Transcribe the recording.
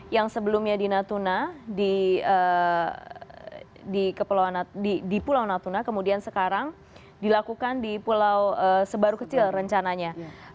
yang sebelumnya di natuna di pulau natuna kemudian sekarang dilakukan di pulau sebaru kecil rencananya